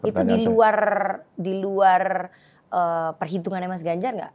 itu diluar perhitungannya mas ganjar nggak